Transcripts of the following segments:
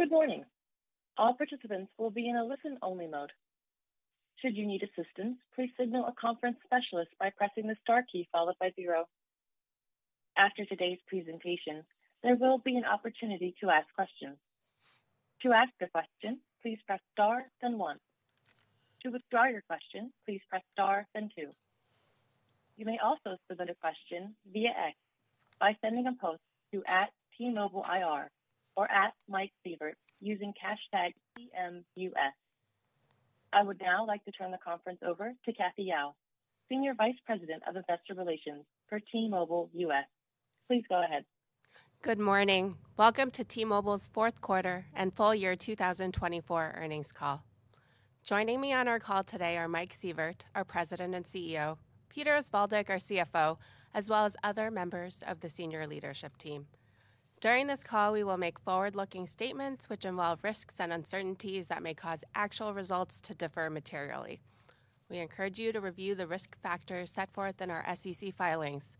Good morning. All participants will be in a listen-only mode. Should you need assistance, please signal a conference specialist by pressing the star key followed by zero. After today's presentation, there will be an opportunity to ask questions. To ask a question, please press star then one. To withdraw your question, please press star then two. You may also submit a question via X by sending a post to @T-MobileIR or @MikeSievert using hashtag T-M-U-S. I would now like to turn the conference over to Kathy Yao, Senior Vice President of Investor Relations for T-Mobile US. Please go ahead. Good morning. Welcome to T-Mobile's fourth quarter and full year 2024 earnings call. Joining me on our call today are Mike Sievert, our President and CEO; Peter Osvaldik, our CFO; as well as other members of the senior leadership team. During this call, we will make forward-looking statements which involve risks and uncertainties that may cause actual results to differ materially. We encourage you to review the risk factors set forth in our SEC filings.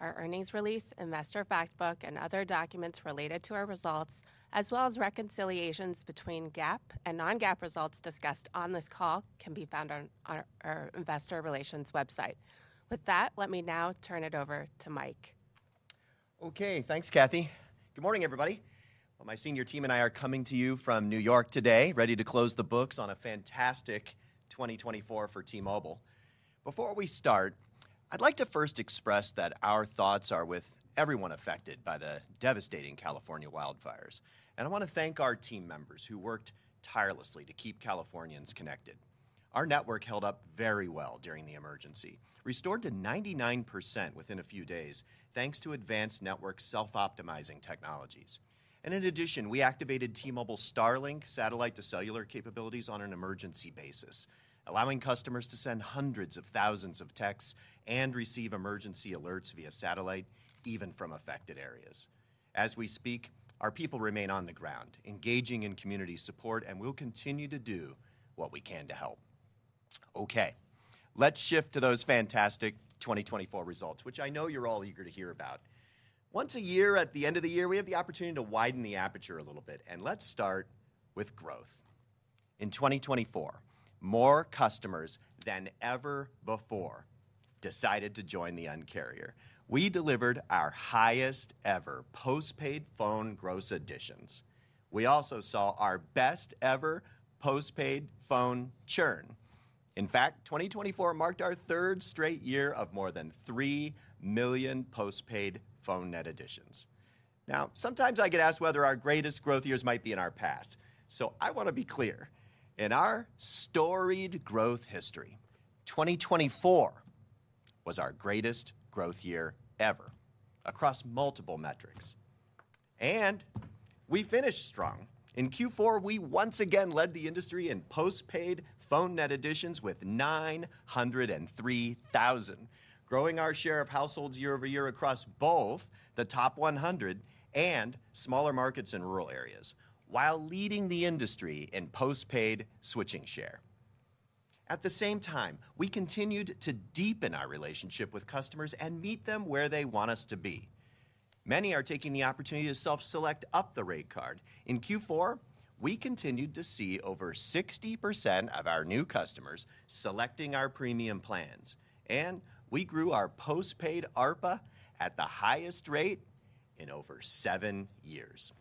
Our earnings release, investor fact book, and other documents related to our results, as well as reconciliations between GAAP and non-GAAP results discussed on this call, can be found on our investor relations website. With that, let me now turn it over to Mike. Okay. Thanks, Kathy. Good morning, everybody. My senior team and I are coming to you from New York today, ready to close the books on a fantastic 2024 for T-Mobile. Before we start, I'd like to first express that our thoughts are with everyone affected by the devastating California wildfires. And I want to thank our team members who worked tirelessly to keep Californians connected. Our network held up very well during the emergency, restored to 99% within a few days, thanks to advanced network self-optimizing technologies. And in addition, we activated T-Mobile's Starlink satellite-to-cellular capabilities on an emergency basis, allowing customers to send hundreds of thousands of texts and receive emergency alerts via satellite, even from affected areas. As we speak, our people remain on the ground, engaging in community support, and we'll continue to do what we can to help. Okay. Let's shift to those fantastic 2024 results, which I know you're all eager to hear about. Once a year, at the end of the year, we have the opportunity to widen the aperture a little bit, and let's start with growth. In 2024, more customers than ever before decided to join the Un-carrier. We delivered our highest-ever postpaid phone gross additions. We also saw our best-ever postpaid phone churn. In fact, 2024 marked our third straight year of more than 3 million postpaid phone net additions. Now, sometimes I get asked whether our greatest growth years might be in our past. So I want to be clear. In our storied growth history, 2024 was our greatest growth year ever across multiple metrics, and we finished strong. In Q4, we once again led the industry in postpaid phone net additions with 903,000, growing our share of households year over year across both the top 100 and smaller markets in rural areas, while leading the industry in postpaid switching share. At the same time, we continued to deepen our relationship with customers and meet them where they want us to be. Many are taking the opportunity to self-select up the rate card. In Q4, we continued to see over 60% of our new customers selecting our premium plans, and we grew our postpaid ARPA at the highest rate in over seven years.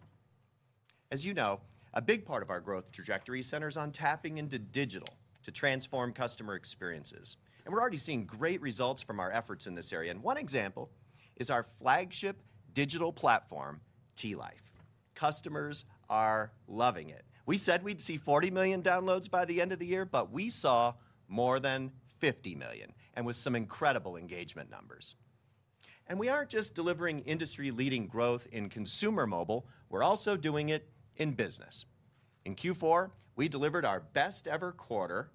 As you know, a big part of our growth trajectory centers on tapping into digital to transform customer experiences, and we're already seeing great results from our efforts in this area, and one example is our flagship digital platform, T Life. Customers are loving it. We said we'd see 40 million downloads by the end of the year, but we saw more than 50 million and with some incredible engagement numbers, and we aren't just delivering industry-leading growth in consumer mobile. We're also doing it in business. In Q4, we delivered our best-ever quarter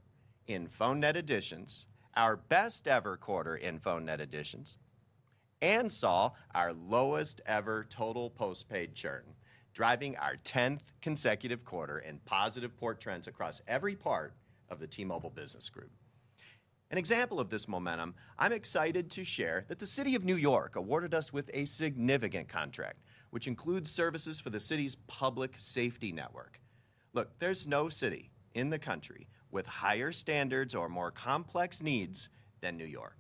in phone net additions, our best-ever quarter in phone net additions, and saw our lowest-ever total postpaid churn, driving our 10th consecutive quarter in positive port trends across every part of the T-Mobile business group. An example of this momentum, I'm excited to share that the City of New York awarded us with a significant contract, which includes services for the city's public safety network. Look, there's no city in the country with higher standards or more complex needs than New York.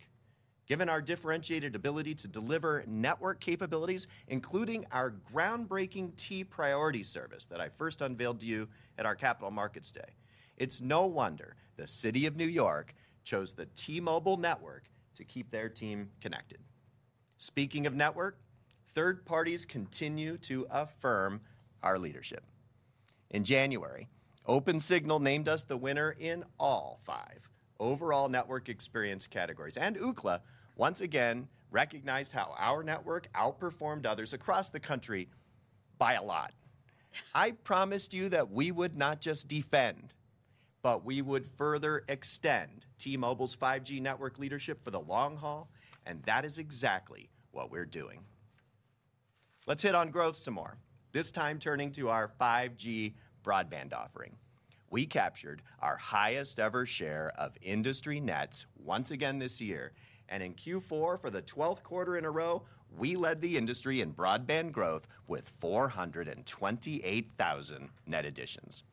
Given our differentiated ability to deliver network capabilities, including our groundbreaking T-Priority service that I first unveiled to you at our Capital Markets Day, it's no wonder the City of New York chose the T-Mobile network to keep their team connected. Speaking of network, third parties continue to affirm our leadership. In January, Opensignal named us the winner in all five overall network experience categories, and Ookla once again recognized how our network outperformed others across the country by a lot. I promised you that we would not just defend, but we would further extend T-Mobile's 5G network leadership for the long haul, and that is exactly what we're doing. Let's hit on growth some more, this time turning to our 5G broadband offering. We captured our highest-ever share of industry nets once again this year. In Q4, for the 12th quarter in a row, we led the industry in broadband growth with 428,000 net additions.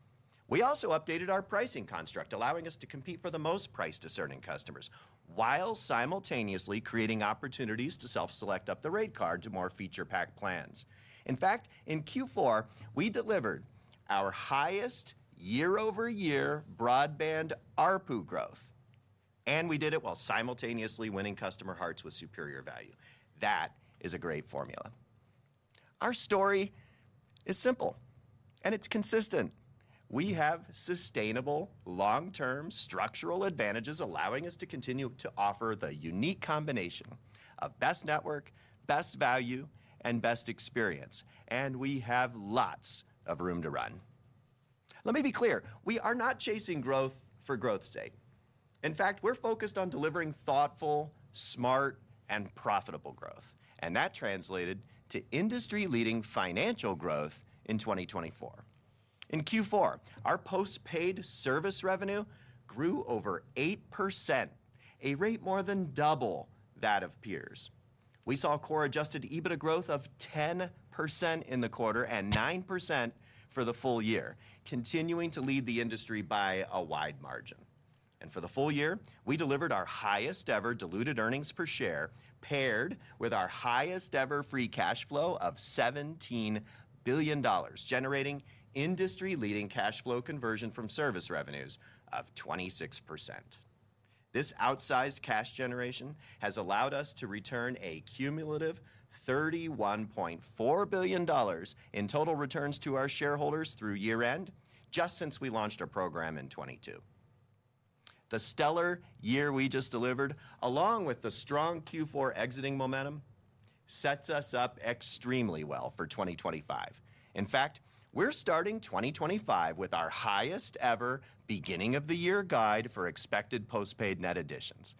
We also updated our pricing construct, allowing us to compete for the most price-discerning customers while simultaneously creating opportunities to self-select up the rate card to more feature-packed plans. In fact, in Q4, we delivered our highest year-over-year broadband ARPU growth. We did it while simultaneously winning customer hearts with superior value. That is a great formula. Our story is simple, and it's consistent. We have sustainable, long-term structural advantages allowing us to continue to offer the unique combination of best network, best value, and best experience. We have lots of room to run. Let me be clear. We are not chasing growth for growth's sake. In fact, we're focused on delivering thoughtful, smart, and profitable growth. That translated to industry-leading financial growth in 2024. In Q4, our postpaid service revenue grew over 8%, a rate more than double that of peers. We saw Core Adjusted EBITDA growth of 10% in the quarter and 9% for the full year, continuing to lead the industry by a wide margin. And for the full year, we delivered our highest-ever diluted earnings per share, paired with our highest-ever free cash flow of $17 billion, generating industry-leading cash flow conversion from service revenues of 26%. This outsized cash generation has allowed us to return a cumulative $31.4 billion in total returns to our shareholders through year-end, just since we launched our program in 2022. The stellar year we just delivered, along with the strong Q4 exiting momentum, sets us up extremely well for 2025. In fact, we're starting 2025 with our highest-ever beginning-of-the-year guide for expected postpaid net additions.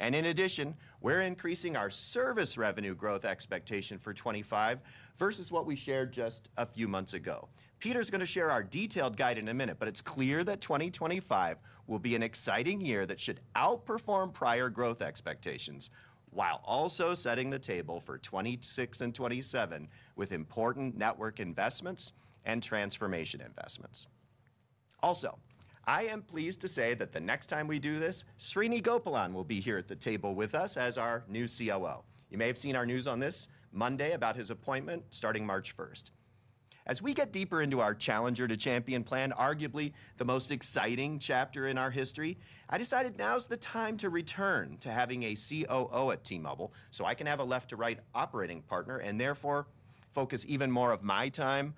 In addition, we're increasing our service revenue growth expectation for 2025 versus what we shared just a few months ago. Peter's going to share our detailed guide in a minute, but it's clear that 2025 will be an exciting year that should outperform prior growth expectations while also setting the table for 2026 and 2027 with important network investments and transformation investments. Also, I am pleased to say that the next time we do this, Srini Gopalan will be here at the table with us as our new COO. You may have seen our news on this Monday about his appointment starting March 1st. As we get deeper into our challenger-to-champion plan, arguably the most exciting chapter in our history, I decided now's the time to return to having a COO at T-Mobile so I can have a left-to-right operating partner and therefore focus even more of my time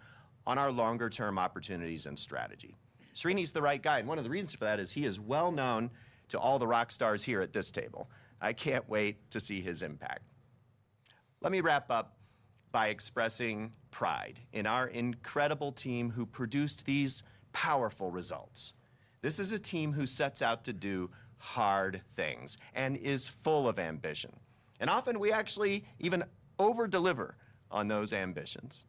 on our longer-term opportunities and strategy. Srini's the right guy. And one of the reasons for that is he is well-known to all the rock stars here at this table. I can't wait to see his impact. Let me wrap up by expressing pride in our incredible team who produced these powerful results. This is a team who sets out to do hard things and is full of ambition. And often, we actually even overdeliver on those ambitions.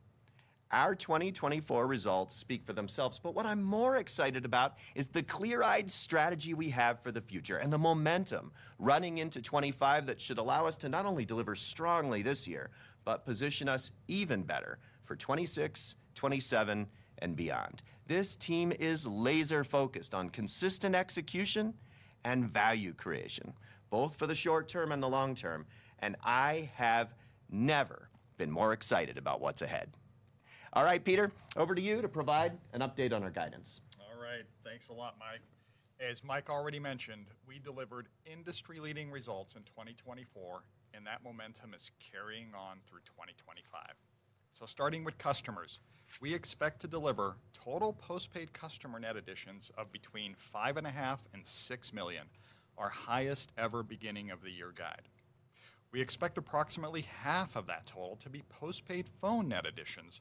Our 2024 results speak for themselves. But what I'm more excited about is the clear-eyed strategy we have for the future and the momentum running into 2025 that should allow us to not only deliver strongly this year, but position us even better for 2026, 2027, and beyond. This team is laser-focused on consistent execution and value creation, both for the short term and the long term. And I have never been more excited about what's ahead. All right, Peter, over to you to provide an update on our guidance. All right. Thanks a lot, Mike. As Mike already mentioned, we delivered industry-leading results in 2024, and that momentum is carrying on through 2025. So starting with customers, we expect to deliver total postpaid customer net additions of between 5.5 and 6 million, our highest-ever beginning-of-the-year guide. We expect approximately half of that total to be postpaid phone net additions,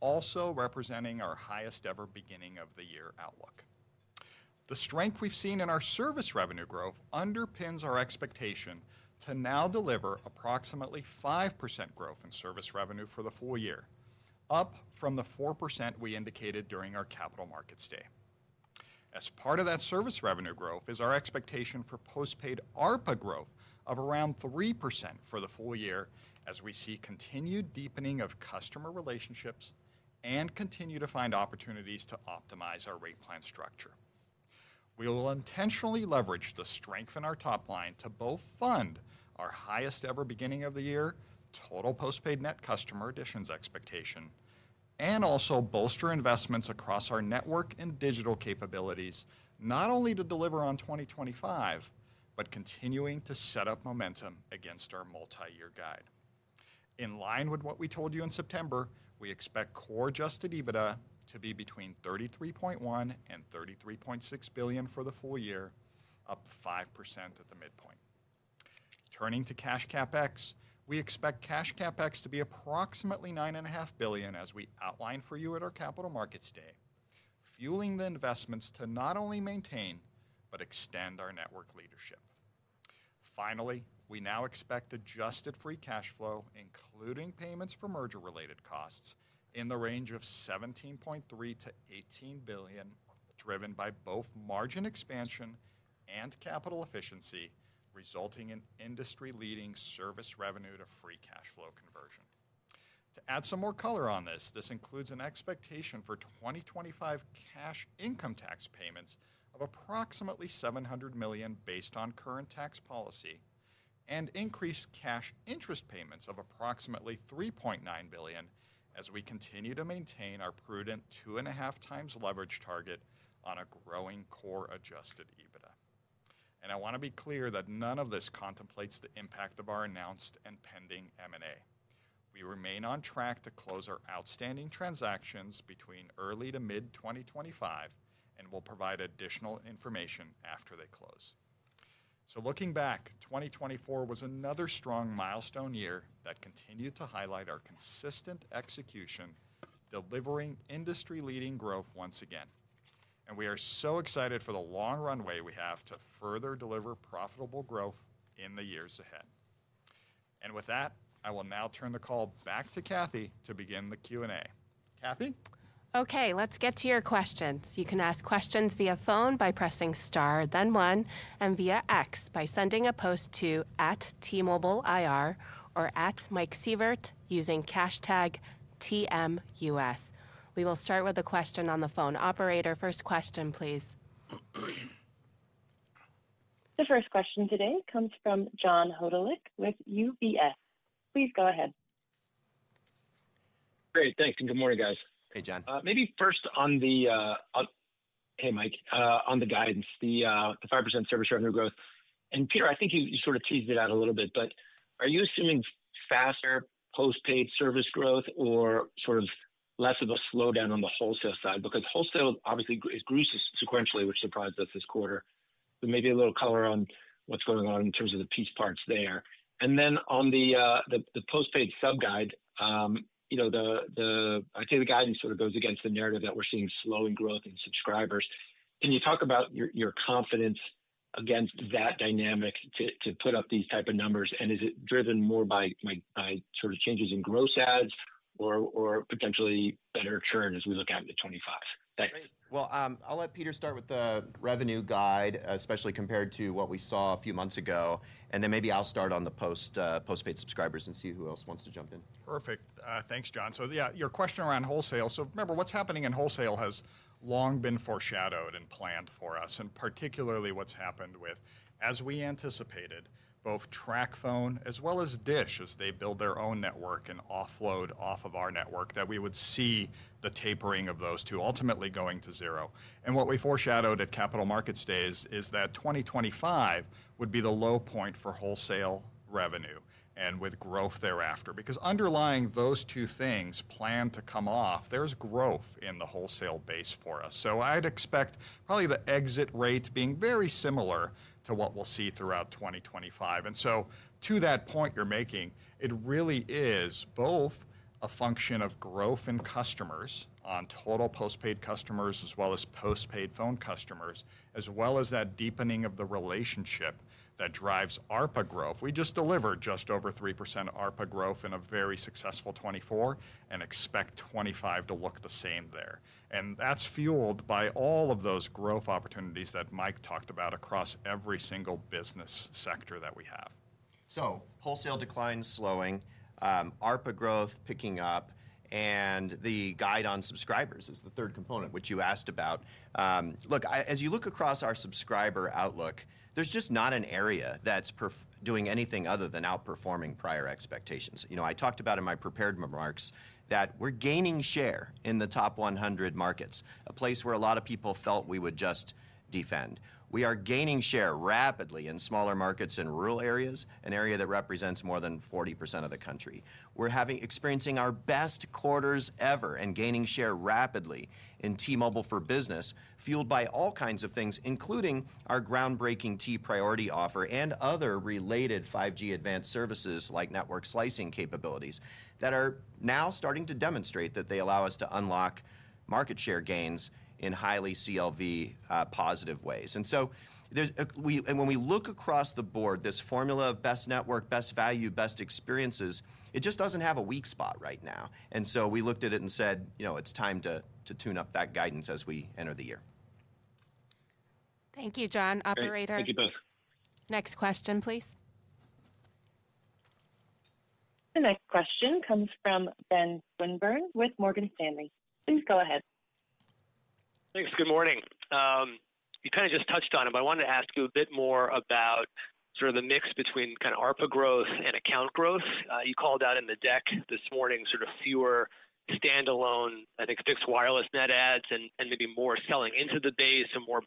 also representing our highest-ever beginning-of-the-year outlook. The strength we've seen in our service revenue growth underpins our expectation to now deliver approximately 5% growth in service revenue for the full year, up from the 4% we indicated during our Capital Markets Day. As part of that service revenue growth is our expectation for postpaid ARPA growth of around 3% for the full year as we see continued deepening of customer relationships and continue to find opportunities to optimize our rate plan structure. We will intentionally leverage the strength in our top line to both fund our highest-ever beginning-of-the-year total postpaid net customer additions expectation and also bolster investments across our network and digital capabilities, not only to deliver on 2025, but continuing to set up momentum against our multi-year guide. In line with what we told you in September, we expect Core Adjusted EBITDA to be between $33.1-$33.6 billion for the full year, up 5% at the midpoint. Turning to Cash Capex, we expect Cash Capex to be approximately $9.5 billion as we outlined for you at our Capital Markets Day, fueling the investments to not only maintain but extend our network leadership. Finally, we now expect adjusted free cash flow, including payments for merger-related costs, in the range of $17.3 billion-$18 billion, driven by both margin expansion and capital efficiency, resulting in industry-leading service revenue to free cash flow conversion. To add some more color on this, this includes an expectation for 2025 cash income tax payments of approximately $700 million based on current tax policy and increased cash interest payments of approximately $3.9 billion as we continue to maintain our prudent 2.5 times leverage target on a growing Core Adjusted EBITDA, and I want to be clear that none of this contemplates the impact of our announced and pending M&A. We remain on track to close our outstanding transactions between early to mid-2025 and will provide additional information after they close. So looking back, 2024 was another strong milestone year that continued to highlight our consistent execution, delivering industry-leading growth once again. And we are so excited for the long runway we have to further deliver profitable growth in the years ahead. And with that, I will now turn the call back to Kathy to begin the Q&A. Kathy? Okay. Let's get to your questions. You can ask questions via phone by pressing star, then one, and via X by sending a post to @T-Mobile IR or @Mike Sievert using hashtag T-M-U-S. We will start with a question on the phone. Operator, first question, please. The first question today comes from John Hodulik with UBS. Please go ahead. Great. Thanks. And good morning, guys. Hey, John. Maybe first on the, hey, Mike, on the guidance, the 5% service revenue growth. Peter, I think you sort of teased it out a little bit, but are you assuming faster postpaid service growth or sort of less of a slowdown on the wholesale side? Because wholesale, obviously, is gruesome sequentially, which surprised us this quarter. But maybe a little color on what's going on in terms of the piece parts there. And then on the postpaid sub-guide, I'd say the guidance sort of goes against the narrative that we're seeing slowing growth in subscribers. Can you talk about your confidence against that dynamic to put up these types of numbers? And is it driven more by sort of changes in gross ads or potentially better churn as we look at it in 2025? Well, I'll let Peter start with the revenue guide, especially compared to what we saw a few months ago. And then maybe I'll start on the postpaid subscribers and see who else wants to jump in. Perfect. Thanks, John. So yeah, your question around wholesale, so remember, what's happening in wholesale has long been foreshadowed and planned for us, and particularly what's happened with, as we anticipated, both TracFone as well as Dish, as they build their own network and offload off of our network, that we would see the tapering of those two ultimately going to zero. And what we foreshadowed at Capital Markets Days is that 2025 would be the low point for wholesale revenue and with growth thereafter. Because underlying those two things plan to come off, there's growth in the wholesale base for us. So I'd expect probably the exit rate being very similar to what we'll see throughout 2025. And so to that point you're making, it really is both a function of growth in customers on total postpaid customers as well as postpaid phone customers, as well as that deepening of the relationship that drives ARPA growth. We just delivered just over 3% ARPA growth in a very successful 2024 and expect 2025 to look the same there. And that's fueled by all of those growth opportunities that Mike talked about across every single business sector that we have. So wholesale decline, slowing, ARPA growth picking up, and the guide on subscribers is the third component, which you asked about. Look, as you look across our subscriber outlook, there's just not an area that's doing anything other than outperforming prior expectations. I talked about in my prepared remarks that we're gaining share in the top 100 markets, a place where a lot of people felt we would just defend. We are gaining share rapidly in smaller markets in rural areas, an area that represents more than 40% of the country. We're experiencing our best quarters ever and gaining share rapidly in T-Mobile for business, fueled by all kinds of things, including our groundbreaking T-Priority offer and other related 5G advanced services like network slicing capabilities that are now starting to demonstrate that they allow us to unlock market share gains in highly CLV-positive ways. And so when we look across the board, this formula of best network, best value, best experiences, it just doesn't have a weak spot right now. And so we looked at it and said, it's time to tune up that guidance as we enter the year. Thank you, John. Operator. Thank you both. Next question, please. The next question comes from Ben Swinburne with Morgan Stanley. Please go ahead. Thanks. Good morning. You kind of just touched on it, but I wanted to ask you a bit more about sort of the mix between kind of ARPA growth and account growth. You called out in the deck this morning sort of fewer standalone, I think, fixed wireless net adds and maybe more selling into the base and more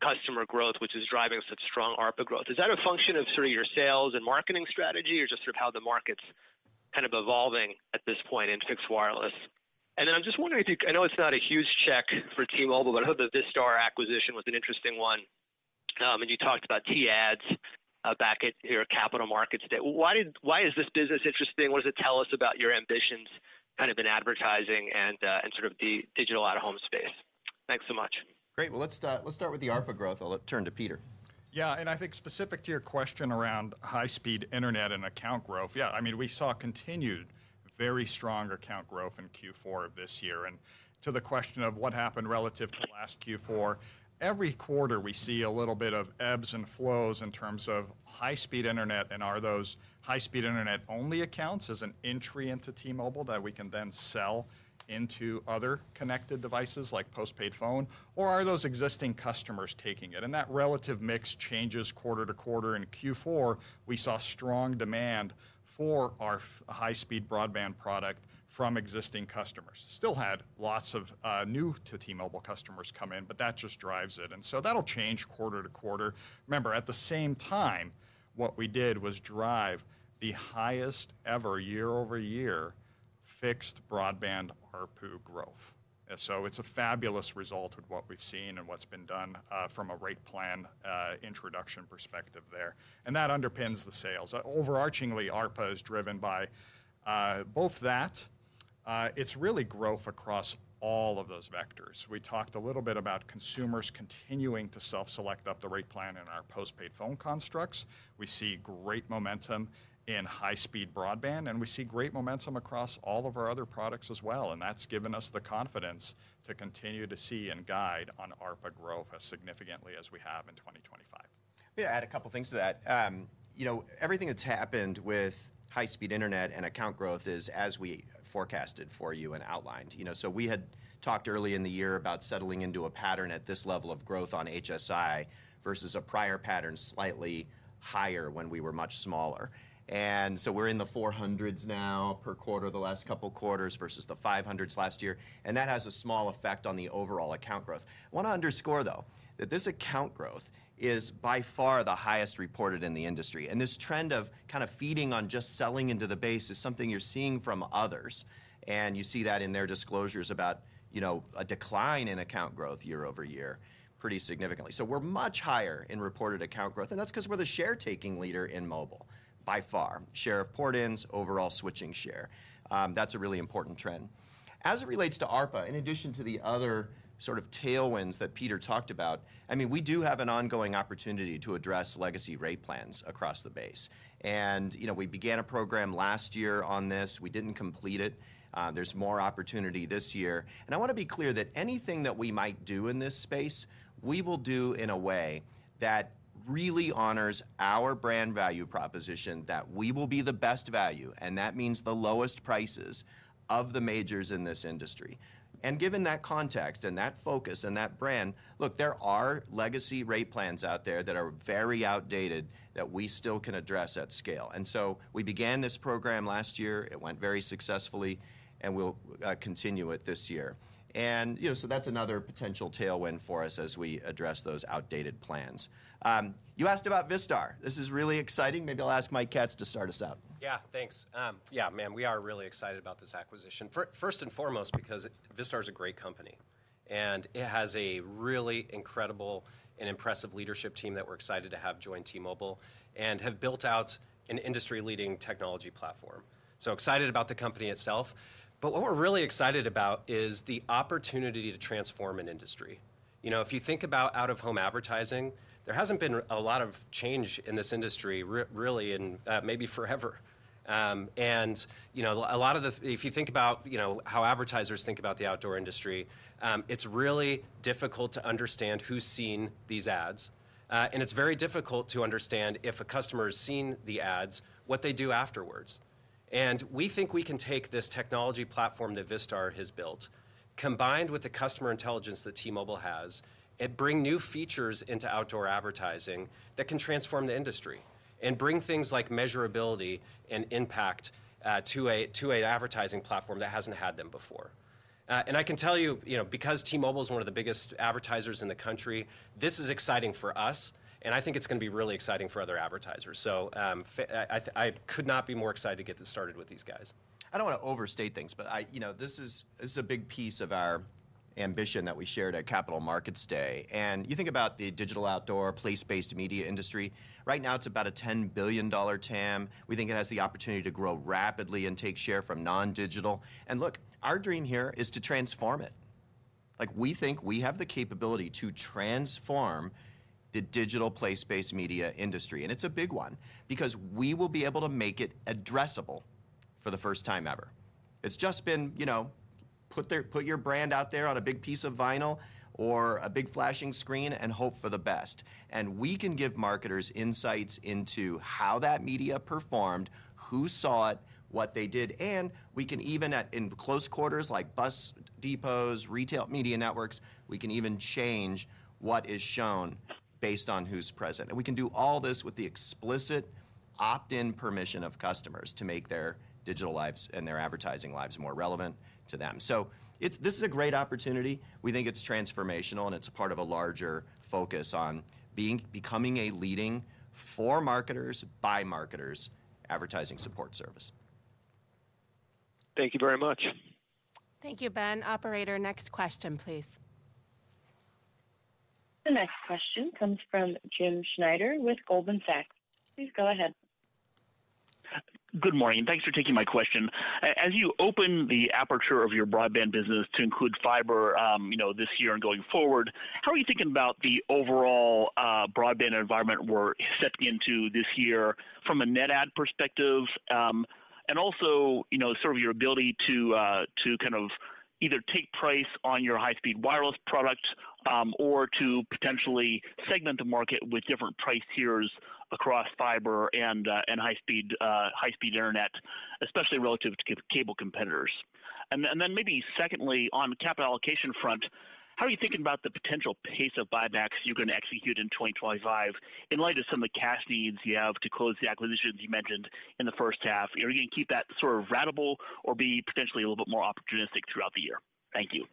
bundled customer growth, which is driving such strong ARPA growth. Is that a function of sort of your sales and marketing strategy or just sort of how the market's kind of evolving at this point in fixed wireless? And then I'm just wondering, I know it's not a huge check for T-Mobile, but I heard that Vistar acquisition was an interesting one. And you talked about T-Ads back at your Capital Markets Day. Why is this business interesting? What does it tell us about your ambitions kind of in advertising and sort of the digital at-home space? Thanks so much. Great. Well, let's start with the ARPA growth. I'll turn to Peter. Yeah. And I think specific to your question around high-speed internet and account growth, yeah, I mean, we saw continued very strong account growth in Q4 of this year. And to the question of what happened relative to last Q4, every quarter we see a little bit of ebbs and flows in terms of high-speed internet. And are those high-speed internet-only accounts as an entry into T-Mobile that we can then sell into other connected devices like postpaid phone? Or are those existing customers taking it? And that relative mix changes quarter to quarter. In Q4, we saw strong demand for our high-speed broadband product from existing customers. Still had lots of new-to-T-Mobile customers come in, but that just drives it. And so that'll change quarter to quarter. Remember, at the same time, what we did was drive the highest ever year-over-year fixed broadband ARPU growth. And so it's a fabulous result of what we've seen and what's been done from a rate plan introduction perspective there. And that underpins the sales. Overarchingly, ARPA is driven by both that. It's really growth across all of those vectors. We talked a little bit about consumers continuing to self-select up the rate plan in our postpaid phone constructs. We see great momentum in high-speed broadband, and we see great momentum across all of our other products as well. And that's given us the confidence to continue to see and guide on ARPA growth as significantly as we have in 2025. I'm going to add a couple of things to that. Everything that's happened with high-speed internet and account growth is as we forecasted for you and outlined. So we had talked early in the year about settling into a pattern at this level of growth on HSI versus a prior pattern slightly higher when we were much smaller. And so we're in the 400s now per quarter the last couple of quarters versus the 500s last year. And that has a small effect on the overall account growth. I want to underscore, though, that this account growth is by far the highest reported in the industry. And this trend of kind of feeding on just selling into the base is something you're seeing from others. And you see that in their disclosures about a decline in account growth year-over-year pretty significantly. So we're much higher in reported account growth. And that's because we're the share-taking leader in mobile, by far, share of port-ins, overall switching share. That's a really important trend. As it relates to ARPA, in addition to the other sort of tailwinds that Peter talked about, I mean, we do have an ongoing opportunity to address legacy rate plans across the base. And we began a program last year on this. We didn't complete it. There's more opportunity this year. And I want to be clear that anything that we might do in this space, we will do in a way that really honors our brand value proposition that we will be the best value. And that means the lowest prices of the majors in this industry. And given that context and that focus and that brand, look, there are legacy rate plans out there that are very outdated that we still can address at scale. And so we began this program last year. It went very successfully, and we'll continue it this year. And so that's another potential tailwind for us as we address those outdated plans. You asked about Vistar. This is really exciting. Maybe I'll ask Mike Katz to start us out. Yeah. Thanks. Yeah, man, we are really excited about this acquisition. First and foremost, because Vistar is a great company. And it has a really incredible and impressive leadership team that we're excited to have join T-Mobile and have built out an industry-leading technology platform. So excited about the company itself. But what we're really excited about is the opportunity to transform an industry. If you think about out-of-home advertising, there hasn't been a lot of change in this industry, really, in maybe forever. And a lot of the, if you think about how advertisers think about the outdoor industry, it's really difficult to understand who's seen these ads. And it's very difficult to understand if a customer has seen the ads, what they do afterwards. And we think we can take this technology platform that Vistar has built, combined with the customer intelligence that T-Mobile has, and bring new features into outdoor advertising that can transform the industry and bring things like measurability and impact to an advertising platform that hasn't had them before. And I can tell you, because T-Mobile is one of the biggest advertisers in the country, this is exciting for us. And I think it's going to be really exciting for other advertisers. So I could not be more excited to get this started with these guys. I don't want to overstate things, but this is a big piece of our ambition that we shared at Capital Markets Day, and you think about the digital outdoor place-based media industry. Right now, it's about a $10 billion TAM. We think it has the opportunity to grow rapidly and take share from non-digital, and look, our dream here is to transform it. We think we have the capability to transform the digital place-based media industry, and it's a big one because we will be able to make it addressable for the first time ever. It's just been put your brand out there on a big piece of vinyl or a big flashing screen and hope for the best, and we can give marketers insights into how that media performed, who saw it, what they did. And we can even in close quarters like bus depots, retail media networks, we can even change what is shown based on who's present. And we can do all this with the explicit opt-in permission of customers to make their digital lives and their advertising lives more relevant to them. So this is a great opportunity. We think it's transformational, and it's part of a larger focus on becoming a leading for marketers, by marketers, advertising support service. Thank you very much. Thank you, Ben. Operator, next question, please. The next question comes from Jim Schneider with Goldman Sachs. Please go ahead. Good morning. Thanks for taking my question. As you open the aperture of your broadband business to include fiber this year and going forward, how are you thinking about the overall broadband environment we're stepping into this year from a net add perspective? And also sort of your ability to kind of either take price on your high-speed wireless product or to potentially segment the market with different price tiers across fiber and high-speed internet, especially relative to cable competitors? And then maybe secondly, on the capital allocation front, how are you thinking about the potential pace of buybacks you're going to execute in 2025 in light of some of the cash needs you have to close the acquisitions you mentioned in the first half? Are you going to keep that sort of ratable or be potentially a little bit more opportunistic throughout the year? Thank you.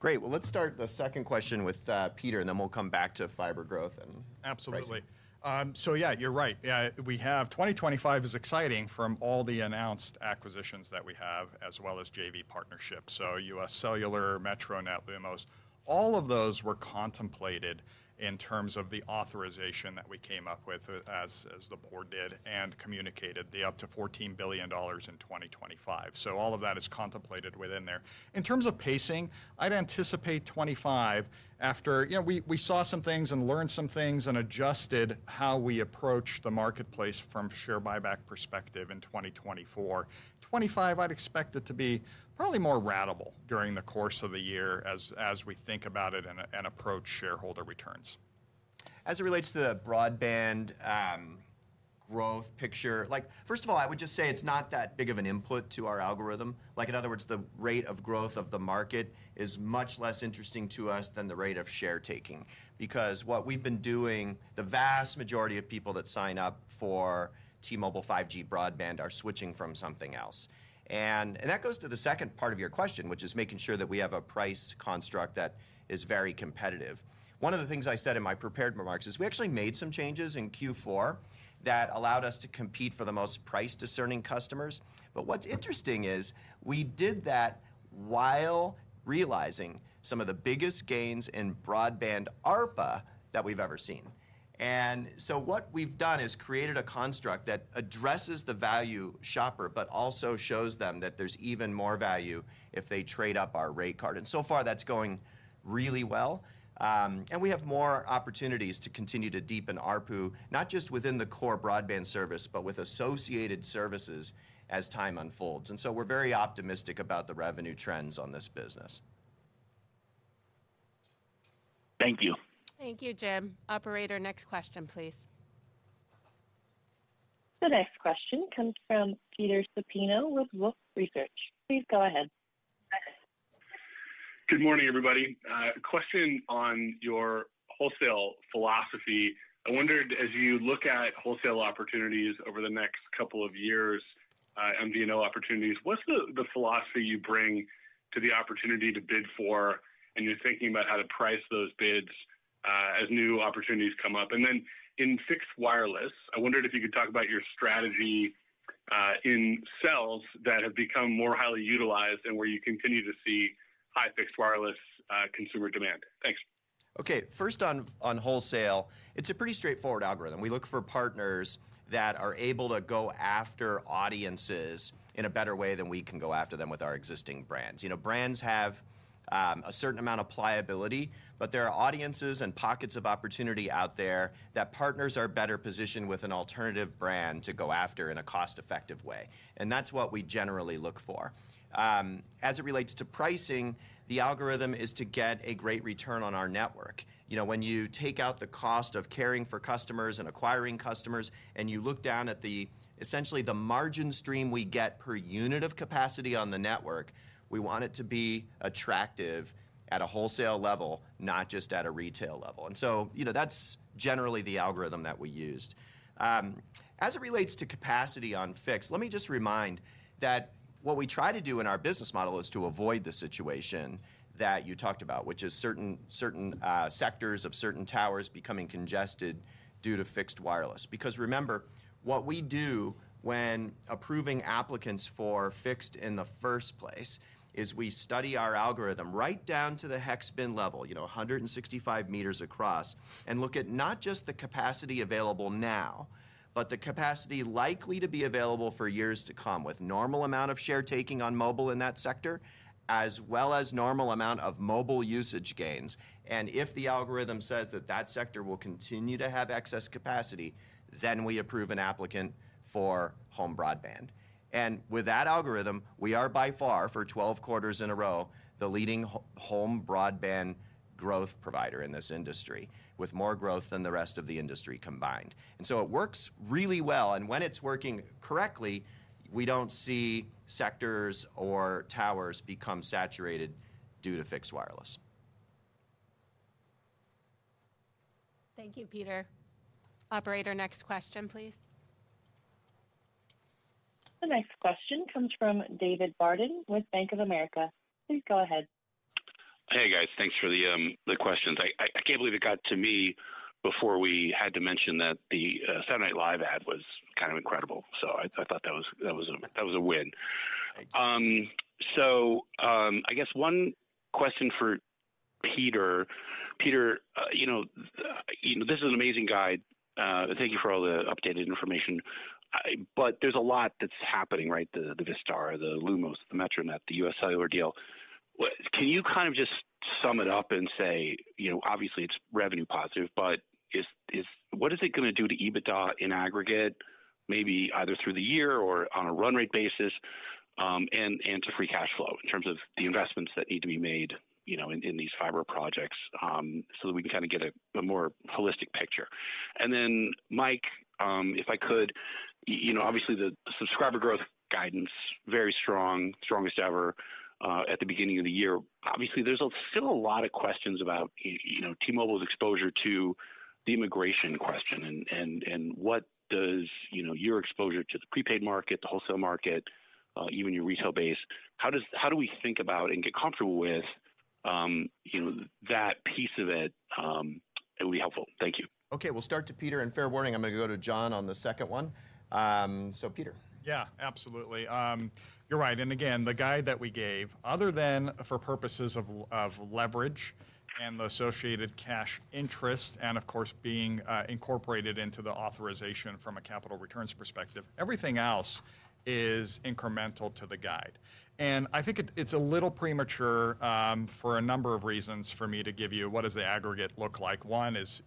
Great. Well, let's start the second question with Peter, and then we'll come back to fiber growth. Absolutely. So yeah, you're right. We have 2025 is exciting from all the announced acquisitions that we have as well as JV partnerships. So UScellular, Metronet, Lumos, all of those were contemplated in terms of the authorization that we came up with as the board did and communicated the up to $14 billion in 2025. So all of that is contemplated within there. In terms of pacing, I'd anticipate 2025 after we saw some things and learned some things and adjusted how we approach the marketplace from a share buyback perspective in 2024. 2025, I'd expect it to be probably more ratable during the course of the year as we think about it and approach shareholder returns. As it relates to the broadband growth picture, first of all, I would just say it's not that big of an input to our algorithm. In other words, the rate of growth of the market is much less interesting to us than the rate of share taking because what we've been doing, the vast majority of people that sign up for T-Mobile 5G broadband are switching from something else. And that goes to the second part of your question, which is making sure that we have a price construct that is very competitive. One of the things I said in my prepared remarks is we actually made some changes in Q4 that allowed us to compete for the most price-discerning customers. But what's interesting is we did that while realizing some of the biggest gains in broadband ARPA that we've ever seen. And so what we've done is created a construct that addresses the value shopper, but also shows them that there's even more value if they trade up our rate card. And so far, that's going really well. And we have more opportunities to continue to deepen ARPU, not just within the core broadband service, but with associated services as time unfolds. And so we're very optimistic about the revenue trends on this business. Thank you. Thank you, Jim. Operator, next question, please. The next question comes from Peter Supino with Wolfe Research. Please go ahead. Good morning, everybody. A question on your wholesale philosophy. I wondered, as you look at wholesale opportunities over the next couple of years and MVNO opportunities, what's the philosophy you bring to the opportunity to bid for? And you're thinking about how to price those bids as new opportunities come up. And then in fixed wireless, I wondered if you could talk about your strategy in cells that have become more highly utilized and where you continue to see high fixed wireless consumer demand. Thanks. Okay. First, on wholesale, it's a pretty straightforward algorithm. We look for partners that are able to go after audiences in a better way than we can go after them with our existing brands. Brands have a certain amount of pliability, but there are audiences and pockets of opportunity out there that partners are better positioned with an alternative brand to go after in a cost-effective way. And that's what we generally look for. As it relates to pricing, the algorithm is to get a great return on our network. When you take out the cost of caring for customers and acquiring customers, and you look down at essentially the margin stream we get per unit of capacity on the network, we want it to be attractive at a wholesale level, not just at a retail level. And so that's generally the algorithm that we used. As it relates to capacity on fixed, let me just remind that what we try to do in our business model is to avoid the situation that you talked about, which is certain sectors of certain towers becoming congested due to fixed wireless. Because remember, what we do when approving applicants for fixed in the first place is we study our algorithm right down to the hex bin level, 165 meters across, and look at not just the capacity available now, but the capacity likely to be available for years to come with normal amount of share taking on mobile in that sector, as well as normal amount of mobile usage gains, and if the algorithm says that that sector will continue to have excess capacity, then we approve an applicant for home broadband. And with that algorithm, we are by far, for 12 quarters in a row, the leading home broadband growth provider in this industry, with more growth than the rest of the industry combined. And so it works really well. And when it's working correctly, we don't see sectors or towers become saturated due to fixed wireless. Thank you, Peter. Operator, next question, please. The next question comes from David Barden with Bank of America. Please go ahead. Hey, guys. Thanks for the questions. I can't believe it got to me before we had to mention that the Saturday Night Live ad was kind of incredible. So I thought that was a win. So I guess one question for Peter. Peter, this is an amazing guide. Thank you for all the updated information. But there's a lot that's happening, right? The Vistar, the Lumos, the MetroNet, the UScellular deal. Can you kind of just sum it up and say, obviously, it's revenue positive, but what is it going to do to EBITDA in aggregate, maybe either through the year or on a run rate basis and to free cash flow in terms of the investments that need to be made in these fiber projects so that we can kind of get a more holistic picture? And then, Mike, if I could, obviously the subscriber growth guidance, very strong, strongest ever at the beginning of the year. Obviously, there's still a lot of questions about T-Mobile's exposure to the immigration question and what does your exposure to the prepaid market, the wholesale market, even your retail base, how do we think about and get comfortable with that piece of it? It would be helpful. Thank you. Okay. We'll start to Peter. And fair warning, I'm going to go to John on the second one. So Peter. Yeah, absolutely. You're right. And again, the guide that we gave, other than for purposes of leverage and the associated cash interest and, of course, being incorporated into the authorization from a capital returns perspective, everything else is incremental to the guide. And I think it's a little premature for a number of reasons for me to give you what does the aggregate look like. One is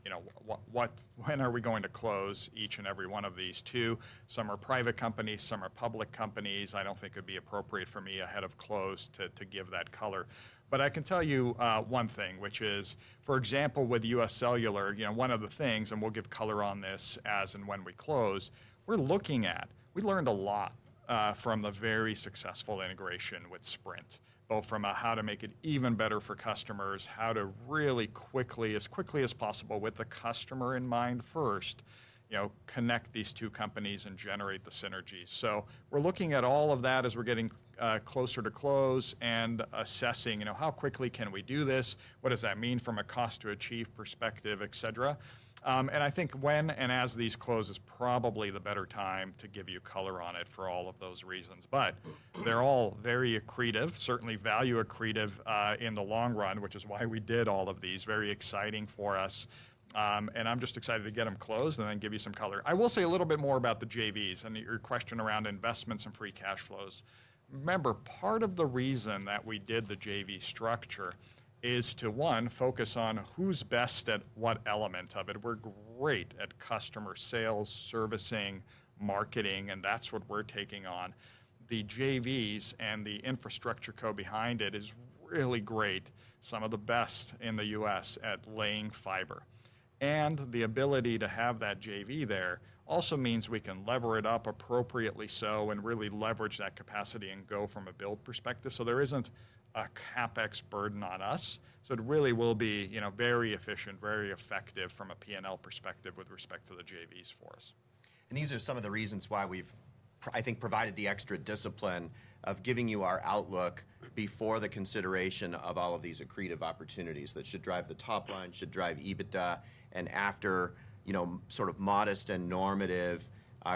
when are we going to close each and every one of these? Two, some are private companies, some are public companies. I don't think it would be appropriate for me ahead of close to give that color. But I can tell you one thing, which is, for example, with UScellular, one of the things, and we'll give color on this as and when we close. We're looking at what we learned a lot from the very successful integration with Sprint, both from how to make it even better for customers, how to really quickly, as quickly as possible with the customer in mind first, connect these two companies and generate the synergies. So we're looking at all of that as we're getting closer to close and assessing how quickly can we do this, what does that mean from a cost-to-achieve perspective, etc. And I think when and as these close is probably the better time to give you color on it for all of those reasons. But they're all very accretive, certainly value accretive in the long run, which is why we did all of these. Very exciting for us. I'm just excited to get them closed and then give you some color. I will say a little bit more about the JVs and your question around investments and free cash flows. Remember, part of the reason that we did the JV structure is to, one, focus on who's best at what element of it. We're great at customer sales, servicing, marketing, and that's what we're taking on. The JVs and the infrastructure code behind it is really great, some of the best in the U.S. at laying fiber. The ability to have that JV there also means we can lever it up appropriately so and really leverage that capacity and go from a build perspective. There isn't a CapEx burden on us. It really will be very efficient, very effective from a P&L perspective with respect to the JVs for us. And these are some of the reasons why we've, I think, provided the extra discipline of giving you our outlook before the consideration of all of these accretive opportunities that should drive the top line, should drive EBITDA, and after sort of modest and normative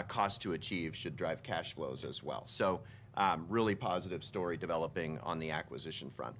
cost-to-achieve should drive cash flows as well. So really positive story developing on the acquisition front.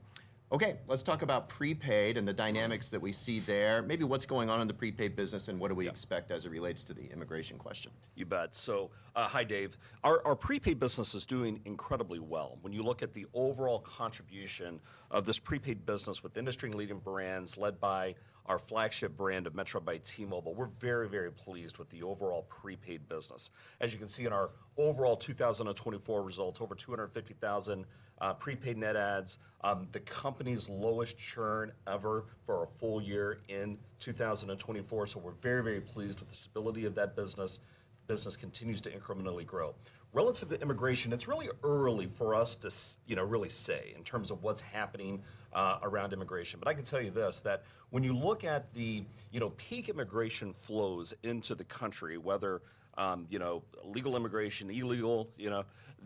Okay. Let's talk about prepaid and the dynamics that we see there. Maybe what's going on in the prepaid business and what do we expect as it relates to the immigration question? You bet. So hi, Dave. Our prepaid business is doing incredibly well. When you look at the overall contribution of this prepaid business with industry-leading brands led by our flagship brand of Metro by T-Mobile, we're very, very pleased with the overall prepaid business. As you can see in our overall 2024 results, over 250,000 prepaid net adds, the company's lowest churn ever for a full year in 2024. So we're very, very pleased with the stability of that business. Business continues to incrementally grow. Relative to immigration, it's really early for us to really say in terms of what's happening around immigration. But I can tell you this, that when you look at the peak immigration flows into the country, whether legal immigration, illegal,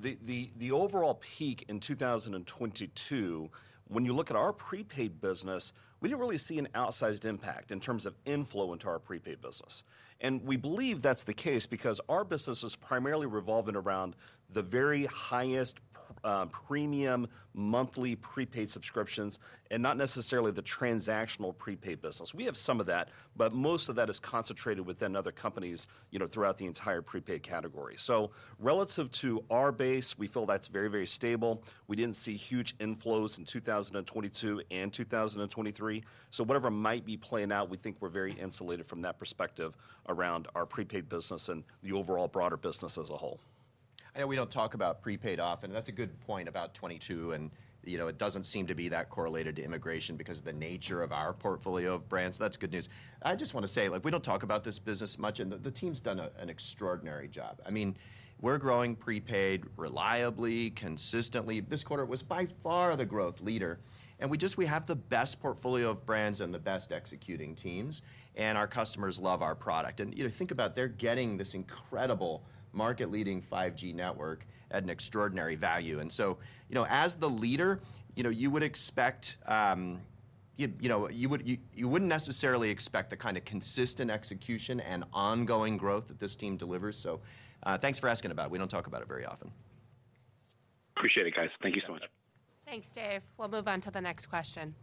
the overall peak in 2022, when you look at our prepaid business, we didn't really see an outsized impact in terms of inflow into our prepaid business. And we believe that's the case because our business is primarily revolving around the very highest premium monthly prepaid subscriptions and not necessarily the transactional prepaid business. We have some of that, but most of that is concentrated within other companies throughout the entire prepaid category, so relative to our base, we feel that's very, very stable. We didn't see huge inflows in 2022 and 2023, so whatever might be playing out, we think we're very insulated from that perspective around our prepaid business and the overall broader business as a whole. I know we don't talk about prepaid often. That's a good point about 2022, and it doesn't seem to be that correlated to immigration because of the nature of our portfolio of brands. That's good news. I just want to say, we don't talk about this business much, and the team's done an extraordinary job. I mean, we're growing prepaid reliably, consistently. This quarter was by far the growth leader, and we have the best portfolio of brands and the best executing teams, and our customers love our product, and think about it, they're getting this incredible market-leading 5G network at an extraordinary value, and so as the leader, you would expect you wouldn't necessarily expect the kind of consistent execution and ongoing growth that this team delivers, so thanks for asking about it. We don't talk about it very often. Appreciate it, guys. Thank you so much. Thanks, Dave. We'll move on to the next question.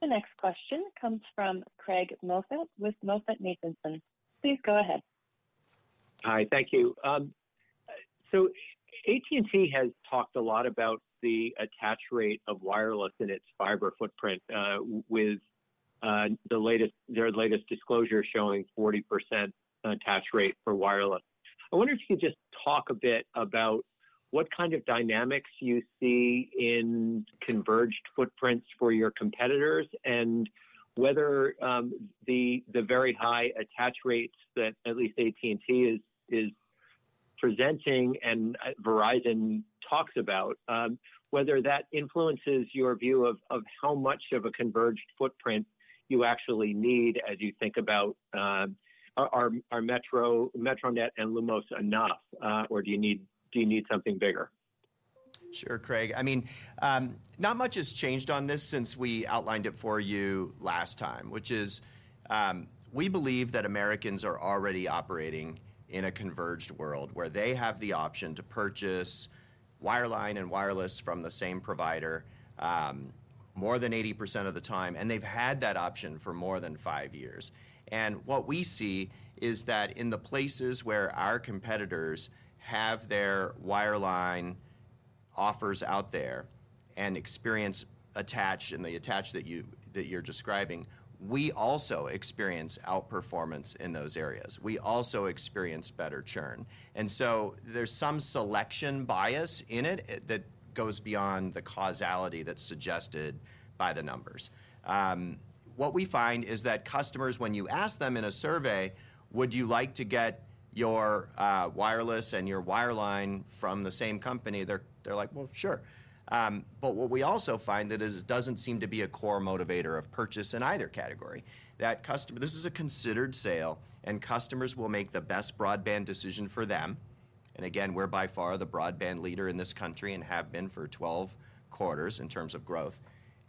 The next question comes from Craig Moffett with MoffettNathanson. Please go ahead. Hi, thank you. So AT&T has talked a lot about the attach rate of wireless and its fiber footprint with their latest disclosure showing 40% attach rate for wireless. I wonder if you could just talk a bit about what kind of dynamics you see in converged footprints for your competitors and whether the very high attach rates that at least AT&T is presenting and Verizon talks about, whether that influences your view of how much of a converged footprint you actually need as you think about our MetroNet and Lumos enough, or do you need something bigger? Sure, Craig. I mean, not much has changed on this since we outlined it for you last time, which is we believe that Americans are already operating in a converged world where they have the option to purchase wireline and wireless from the same provider more than 80% of the time. And they've had that option for more than five years. And what we see is that in the places where our competitors have their wireline offers out there and experience attached in the attach that you're describing, we also experience outperformance in those areas. We also experience better churn. And so there's some selection bias in it that goes beyond the causality that's suggested by the numbers. What we find is that customers, when you ask them in a survey, "Would you like to get your wireless and your wireline from the same company?" They're like, "Well, sure." But what we also find is it doesn't seem to be a core motivator of purchase in either category. This is a considered sale, and customers will make the best broadband decision for them. And again, we're by far the broadband leader in this country and have been for 12 quarters in terms of growth.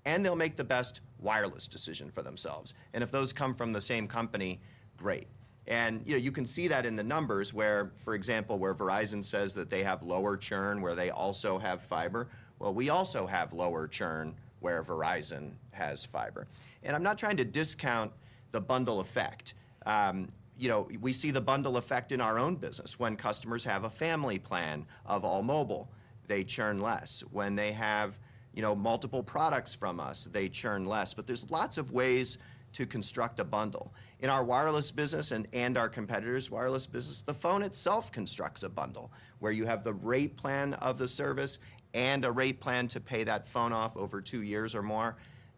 And they'll make the best wireless decision for themselves. And if those come from the same company, great. And you can see that in the numbers where, for example, where Verizon says that they have lower churn where they also have fiber, well, we also have lower churn where Verizon has fiber. And I'm not trying to discount the bundle effect. We see the bundle effect in our own business. When customers have a family plan of All Mobile, they churn less. When they have multiple products from us, they churn less. But there's lots of ways to construct a bundle. In our wireless business and our competitors' wireless business, the phone itself constructs a bundle where you have the rate plan of the service and a rate plan to pay that phone off over two years or more.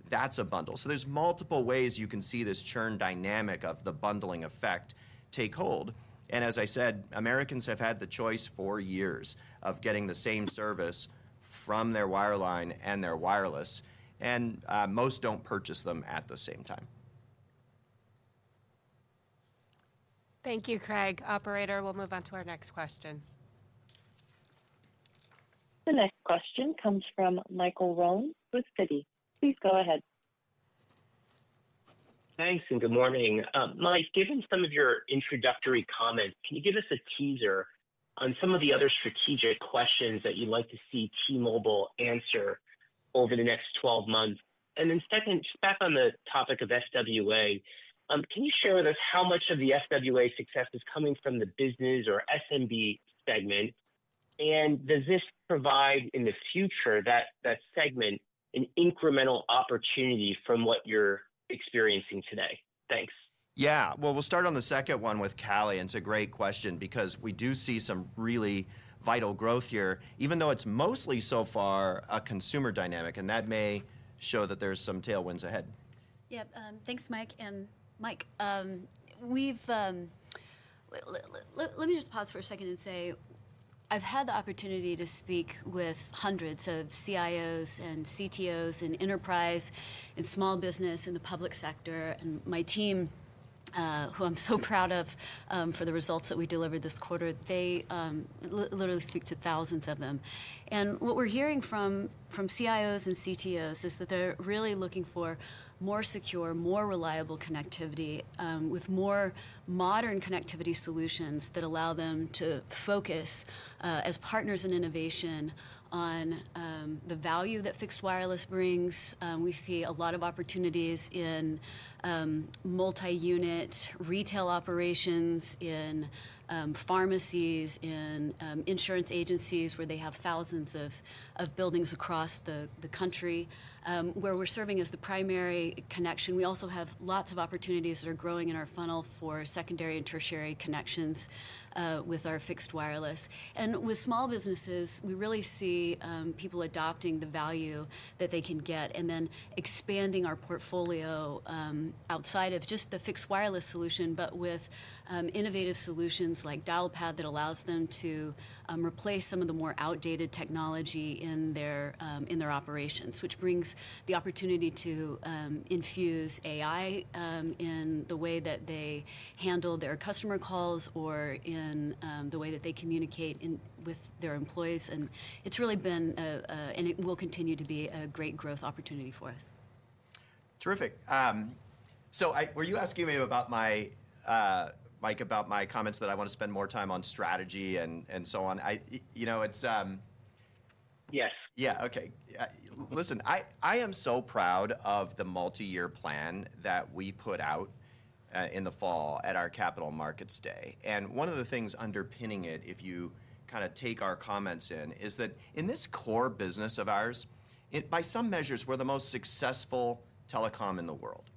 That's a bundle. So there's multiple ways you can see this churn dynamic of the bundling effect take hold. And as I said, Americans have had the choice for years of getting the same service from their wireline and their wireless. And most don't purchase them at the same time. Thank you, Craig. Operator, we'll move on to our next question. The next question comes from Michael Rollins with Citi. Please go ahead. Thanks and good morning. Mike, given some of your introductory comments, can you give us a teaser on some of the other strategic questions that you'd like to see T-Mobile answer over the next 12 months? And then second, just back on the topic of FWA, can you share with us how much of the FWA success is coming from the business or SMB segment? And does this provide in the future that segment an incremental opportunity from what you're experiencing today? Thanks. Yeah. Well, we'll start on the second one with Callie. And it's a great question because we do see some really vital growth here, even though it's mostly so far a consumer dynamic. And that may show that there's some tailwinds ahead. Yep. Thanks, Mike. And Mike, let me just pause for a second and say I've had the opportunity to speak with hundreds of CIOs and CTOs in enterprise and small business in the public sector. And my team, who I'm so proud of for the results that we delivered this quarter, they literally speak to thousands of them. And what we're hearing from CIOs and CTOs is that they're really looking for more secure, more reliable connectivity with more modern connectivity solutions that allow them to focus as partners in innovation on the value that fixed wireless brings. We see a lot of opportunities in multi-unit retail operations, in pharmacies, in insurance agencies where they have thousands of buildings across the country where we're serving as the primary connection. We also have lots of opportunities that are growing in our funnel for secondary and tertiary connections with our fixed wireless. And with small businesses, we really see people adopting the value that they can get and then expanding our portfolio outside of just the fixed wireless solution, but with innovative solutions like Dialpad that allows them to replace some of the more outdated technology in their operations, which brings the opportunity to infuse AI in the way that they handle their customer calls or in the way that they communicate with their employees. And it's really been and it will continue to be a great growth opportunity for us. Terrific. So were you asking me about my Mike, about my comments that I want to spend more time on strategy and so on? Yes. Yeah. Okay. Listen, I am so proud of the multi-year plan that we put out in the fall at our Capital Markets Day. And one of the things underpinning it, if you kind of take our comments in, is that in this core business of ours, by some measures, we're the most successful telecom in the world.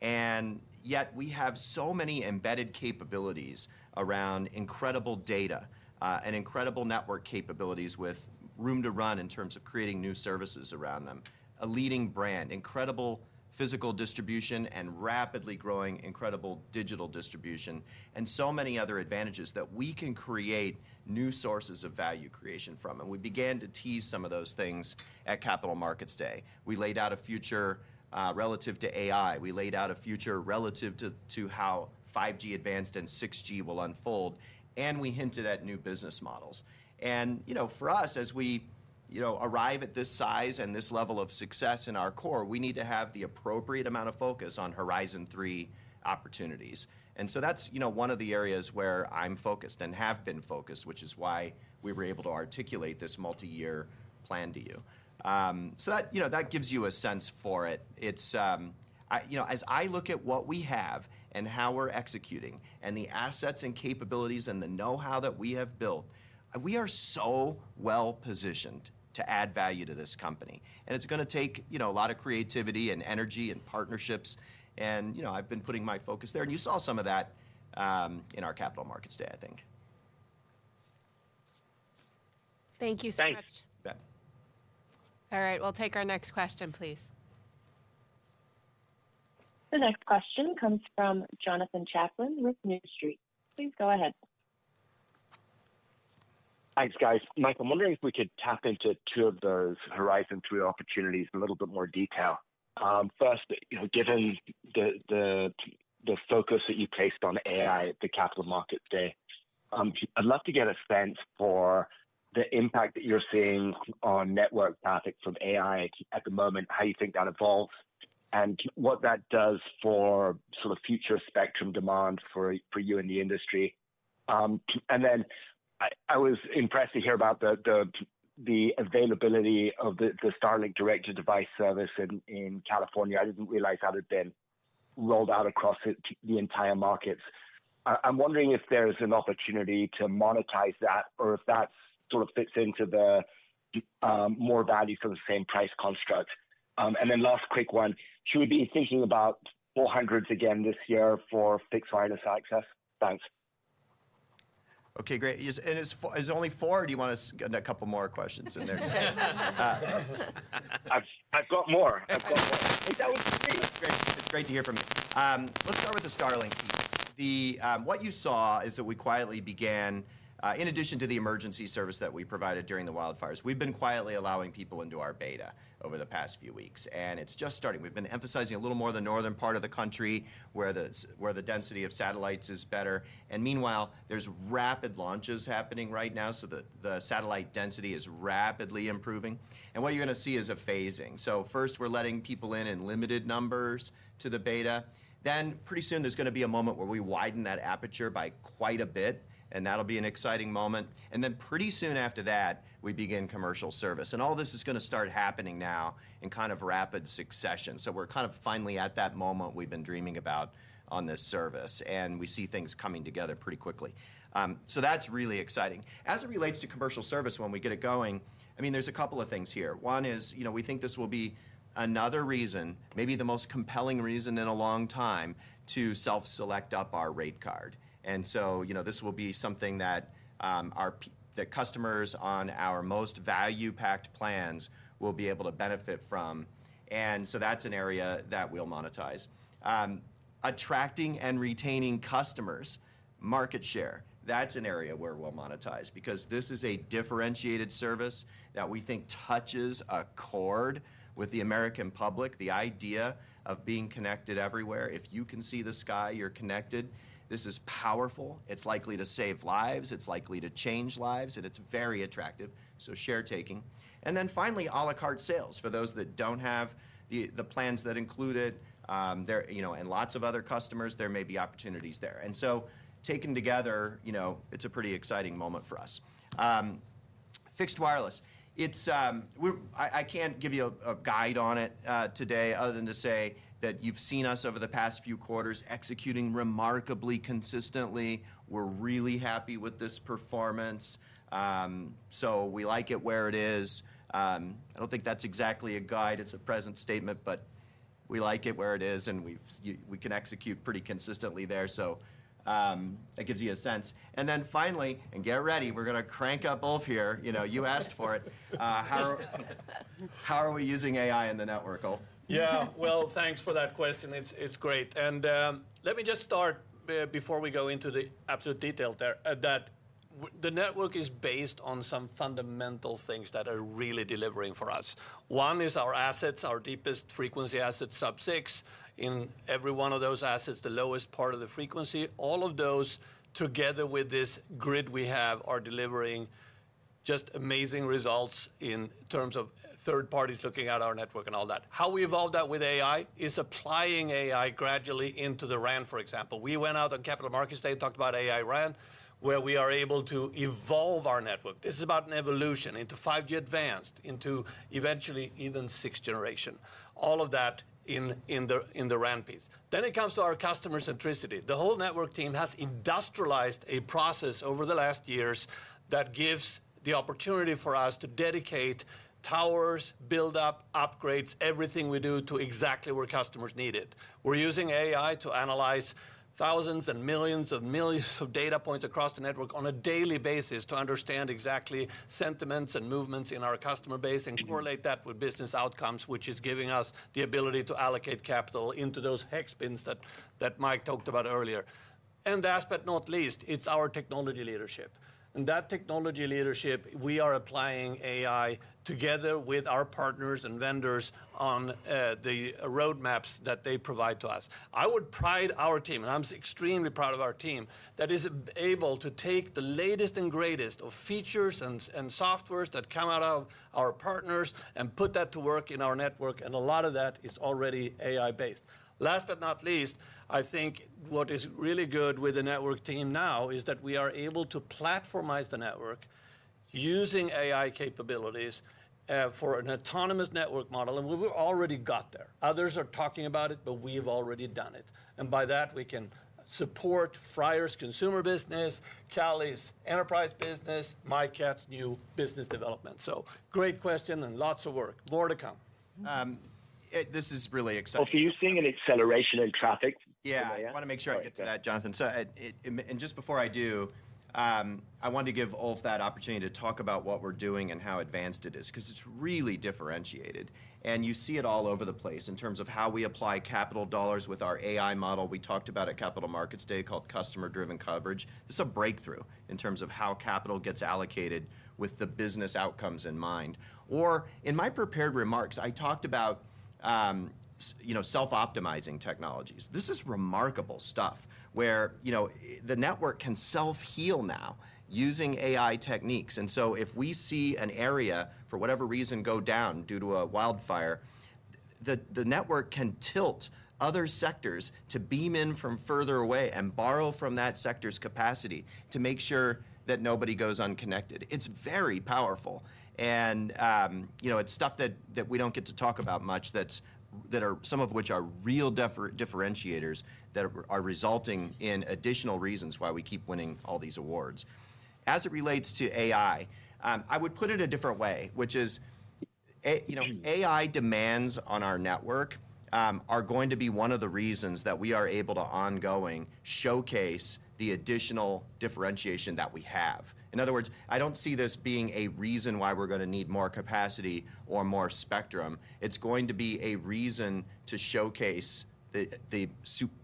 And yet we have so many embedded capabilities around incredible data and incredible network capabilities with room to run in terms of creating new services around them, a leading brand, incredible physical distribution, and rapidly growing incredible digital distribution, and so many other advantages that we can create new sources of value creation from. And we began to tease some of those things at Capital Markets Day. We laid out a future relative to AI. We laid out a future relative to how 5G Advanced and 6G will unfold. And we hinted at new business models. And for us, as we arrive at this size and this level of success in our core, we need to have the appropriate amount of focus on Horizon 3 opportunities. And so that's one of the areas where I'm focused and have been focused, which is why we were able to articulate this multi-year plan to you. So that gives you a sense for it. As I look at what we have and how we're executing and the assets and capabilities and the know-how that we have built, we are so well-positioned to add value to this company. And it's going to take a lot of creativity and energy and partnerships. And I've been putting my focus there. And you saw some of that in our Capital Markets Day, I think. Thank you so much. Thanks. All right. We'll take our next question, please. The next question comes from Jonathan Chaplin with New Street. Please go ahead. Thanks, guys. Mike, I'm wondering if we could tap into two of those Horizon 3 opportunities in a little bit more detail. First, given the focus that you placed on AI at the Capital Markets Day, I'd love to get a sense for the impact that you're seeing on network traffic from AI at the moment, how you think that evolves, and what that does for sort of future spectrum demand for you in the industry. And then I was impressed to hear about the availability of the Starlink Direct to Device service in California. I didn't realize that had been rolled out across the entire markets. I'm wondering if there's an opportunity to monetize that or if that sort of fits into the more value for the same price construct. And then last quick one, should we be thinking about 400s again this year for fixed wireless access? Thanks. Okay, great. And is it only four, or do you want to get a couple more questions in there? I've got more. I've got more. That was great. It's great to hear from you. Let's start with the Starlink piece. What you saw is that we quietly began, in addition to the emergency service that we provided during the wildfires, we've been quietly allowing people into our beta over the past few weeks. And it's just starting. We've been emphasizing a little more of the northern part of the country where the density of satellites is better. And meanwhile, there's rapid launches happening right now. So the satellite density is rapidly improving. And what you're going to see is a phasing. So first, we're letting people in in limited numbers to the beta. Then pretty soon, there's going to be a moment where we widen that aperture by quite a bit. And that'll be an exciting moment. And then pretty soon after that, we begin commercial service. And all this is going to start happening now in kind of rapid succession. So we're kind of finally at that moment we've been dreaming about on this service. And we see things coming together pretty quickly. So that's really exciting. As it relates to commercial service, when we get it going, I mean, there's a couple of things here. One is we think this will be another reason, maybe the most compelling reason in a long time to self-select up our rate card. And so this will be something that customers on our most value-packed plans will be able to benefit from. And so that's an area that we'll monetize. Attracting and retaining customers, market share, that's an area where we'll monetize because this is a differentiated service that we think touches a chord with the American public, the idea of being connected everywhere. If you can see the sky, you're connected. This is powerful. It's likely to save lives. It's likely to change lives. And it's very attractive. So share-taking. And then finally, à la carte sales for those that don't have the plans that included and lots of other customers, there may be opportunities there. And so taken together, it's a pretty exciting moment for us. Fixed wireless, I can't give you a guide on it today other than to say that you've seen us over the past few quarters executing remarkably consistently. We're really happy with this performance. So we like it where it is. I don't think that's exactly a guide. It's a present statement. But we like it where it is. And we can execute pretty consistently there. So that gives you a sense. And then finally, and get ready, we're going to crank up Ulf here. You asked for it. How are we using AI in the network, Ulf? Yeah, well, thanks for that question. It's great, and let me just start before we go into the absolute detail there that the network is based on some fundamental things that are really delivering for us. One is our assets, our deepest frequency assets, Sub-6. In every one of those assets, the lowest part of the frequency, all of those together with this grid we have are delivering just amazing results in terms of third parties looking at our network and all that. How we evolve that with AI is applying AI gradually into the RAN, for example. We went out on Capital Markets Day and talked about AI-RAN, where we are able to evolve our network. This is about an evolution into 5G Advanced, into eventually even 6th generation, all of that in the RAN piece, then it comes to our customer centricity. The whole network team has industrialized a process over the last years that gives the opportunity for us to dedicate towers, build-up, upgrades, everything we do to exactly where customers need it. We're using AI to analyze thousands and millions of millions of data points across the network on a daily basis to understand exactly sentiments and movements in our customer base and correlate that with business outcomes, which is giving us the ability to allocate capital into those hex bins that Mike talked about earlier. And last but not least, it's our technology leadership. And that technology leadership, we are applying AI together with our partners and vendors on the roadmaps that they provide to us. I would praise our team, and I'm extremely proud of our team that is able to take the latest and greatest of features and softwares that come out of our partners and put that to work in our network, and a lot of that is already AI-based. Last but not least, I think what is really good with the network team now is that we are able to platformize the network using AI capabilities for an autonomous network model, and we've already got there. Others are talking about it, but we've already done it, and by that, we can support Freier's consumer business, Callie's enterprise business, Mike Katz's new business development. So great question and lots of work. More to come. This is really exciting. So are you seeing an acceleration in traffic? Yeah. I want to make sure I get to that, Jonathan. And just before I do, I wanted to give Ulf that opportunity to talk about what we're doing and how advanced it is because it's really differentiated. And you see it all over the place in terms of how we apply capital dollars with our AI model. We talked about at Capital Markets Day called customer-driven coverage. This is a breakthrough in terms of how capital gets allocated with the business outcomes in mind. Or in my prepared remarks, I talked about self-optimizing technologies. This is remarkable stuff where the network can self-heal now using AI techniques. And so if we see an area, for whatever reason, go down due to a wildfire, the network can tilt other sectors to beam in from further away and borrow from that sector's capacity to make sure that nobody goes unconnected. It's very powerful, and it's stuff that we don't get to talk about much that are some of which are real differentiators that are resulting in additional reasons why we keep winning all these awards. As it relates to AI, I would put it a different way, which is AI demands on our network are going to be one of the reasons that we are able to ongoing showcase the additional differentiation that we have. In other words, I don't see this being a reason why we're going to need more capacity or more spectrum. It's going to be a reason to showcase the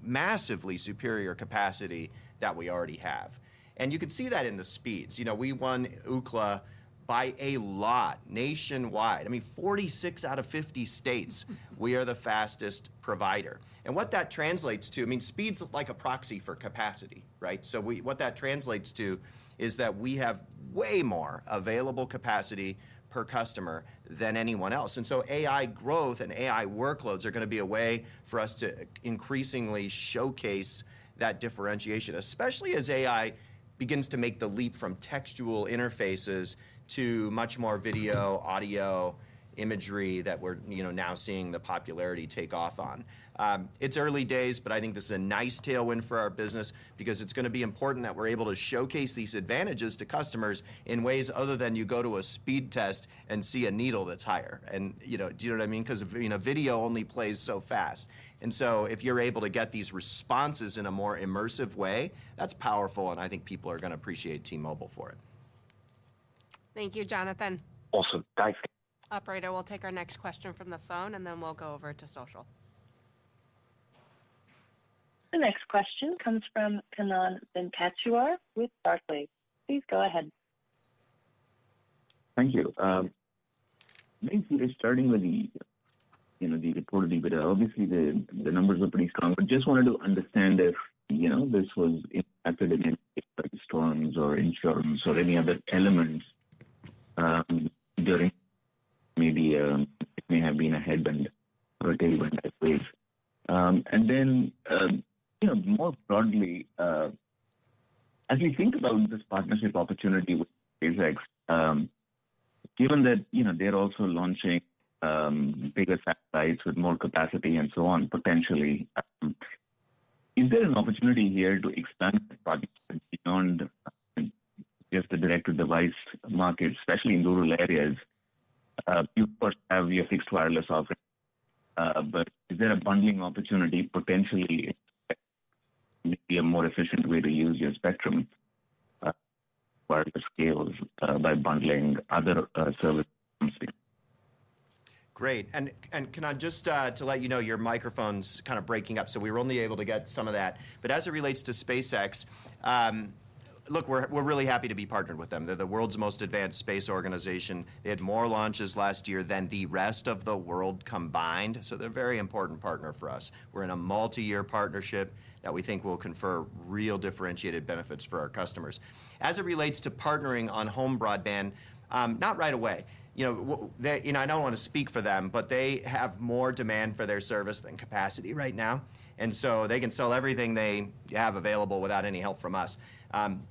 massively superior capacity that we already have. And you can see that in the speeds. We won Ookla by a lot nationwide. I mean, 46 out of 50 states, we are the fastest provider. What that translates to, I mean, speed's like a proxy for capacity, right? So what that translates to is that we have way more available capacity per customer than anyone else. And so AI growth and AI workloads are going to be a way for us to increasingly showcase that differentiation, especially as AI begins to make the leap from textual interfaces to much more video, audio, imagery that we're now seeing the popularity take off on. It's early days, but I think this is a nice tailwind for our business because it's going to be important that we're able to showcase these advantages to customers in ways other than you go to a speed test and see a needle that's higher. And do you know what I mean? Because video only plays so fast. And so if you're able to get these responses in a more immersive way, that's powerful. And I think people are going to appreciate T-Mobile for it. Thank you, Jonathan. Awesome. Thanks. Operator, we'll take our next question from the phone, and then we'll go over to social. The next question comes from Kannan Venkateshwar with Barclays. Please go ahead. Thank you. Thank you for starting with the report of the video. Obviously, the numbers were pretty strong. But just wanted to understand if this was impacted in any way by storms or insurance or any other elements during maybe it may have been a headwind or a tailwind type wave. And then more broadly, as we think about this partnership opportunity with Space X given that they're also launching bigger satellites with more capacity and so on, potentially, is there an opportunity here to expand the project beyond just the directed device market, especially in rural areas? You have your fixed wireless offering. But is there a bundling opportunity potentially to make a more efficient way to use your spectrum wireless scales by bundling other services? Great. And Kannan, just to let you know, your microphone's kind of breaking up. So we were only able to get some of that. But as it relates to SpaceX, look, we're really happy to be partnered with them. They're the world's most advanced space organization. They had more launches last year than the rest of the world combined. So they're a very important partner for us. We're in a multi-year partnership that we think will confer real differentiated benefits for our customers. As it relates to partnering on home broadband, not right away. I don't want to speak for them, but they have more demand for their service than capacity right now. And so they can sell everything they have available without any help from us.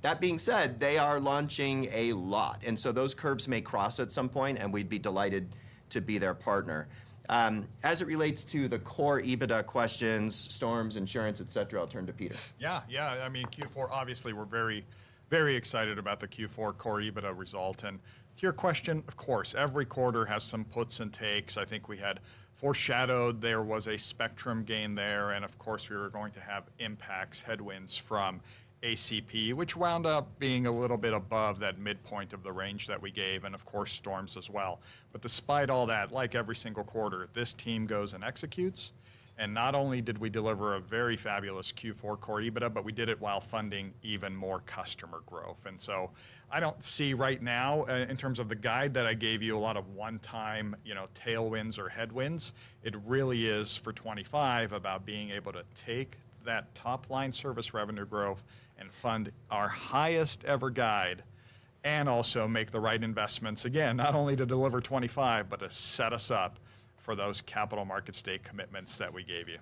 That being said, they are launching a lot. And so those curves may cross at some point, and we'd be delighted to be their partner. As it relates to the core EBITDA questions, storms, insurance, etc., I'll turn to Peter. Yeah, yeah. I mean, Q4, obviously, we're very, very excited about the Q4 core EBITDA result. And to your question, of course, every quarter has some puts and takes. I think we had foreshadowed there was a spectrum gain there. And of course, we were going to have impacts, headwinds from ACP, which wound up being a little bit above that midpoint of the range that we gave, and of course, storms as well. But despite all that, like every single quarter, this team goes and executes. And not only did we deliver a very fabulous Q4 core EBITDA, but we did it while funding even more customer growth. And so I don't see right now, in terms of the guide that I gave you, a lot of one-time tailwinds or headwinds. It really is for 2025 about being able to take that top-line service revenue growth and fund our highest-ever guide and also make the right investments, again, not only to deliver 2025, but to set us up for those Capital Markets Day commitments that we gave you.